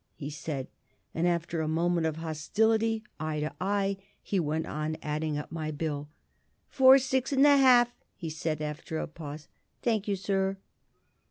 he said, and, after a moment of hostility, eye to eye, he went on adding up my bill. "Four, six and a half," he said, after a pause. "Thank you, Sir."